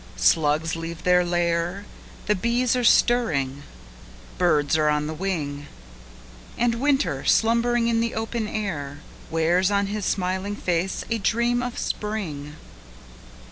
Slugs leave their lair— The bees are stirring—birds are on the wing— And Winter, slumbering in the open air, Wears on his smiling face a dream of Spring!